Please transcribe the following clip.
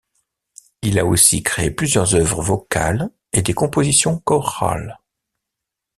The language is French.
Il a aussi créé plusieurs œuvres vocales et des compositions chorales.